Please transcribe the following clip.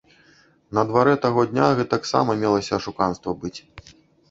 На дварэ таго дня гэтаксама мелася ашуканства быць.